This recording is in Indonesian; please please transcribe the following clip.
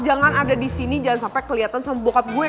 jangan ada disini jangan sampe keliatan sama bokap gue